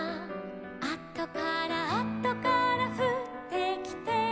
「あとからあとからふってきて」